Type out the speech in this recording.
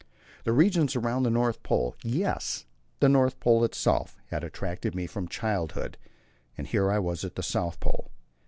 The regions around the North Pole well, yes, the North Pole itself had attracted me from childhood, and here I was at the South Pole.